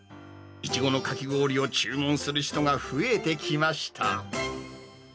イチゴのかき氷を注文する人が増えてきました。